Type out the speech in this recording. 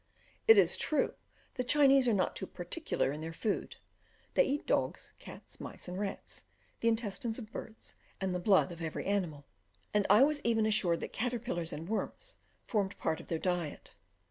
It is true, the Chinese are not too particular in their food; they eat dogs, cats, mice, and rats, the intestines of birds, and the blood of every animal, and I was even assured that caterpillars and worms formed part of their diet.